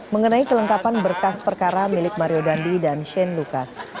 mengenai kelengkapan berkas perkara milik mario dandi dan shane lucas